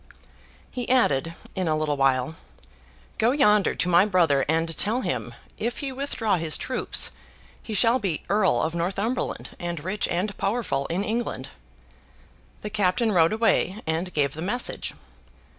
He added, in a little while, 'Go yonder to my brother, and tell him, if he withdraw his troops, he shall be Earl of Northumberland, and rich and powerful in England.' The captain rode away and gave the message.